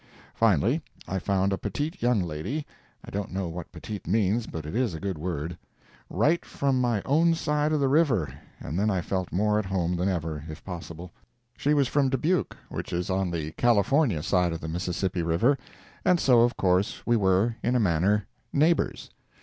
Finally, I found a petite young lady (I don't know what petite means, but it is a good word) right from my own side of the river, and then I felt more at home than ever, if possible. She was from Dubuque, which is on the California side of the Mississippi river, and so, of course, we were, in a manner, neighbors.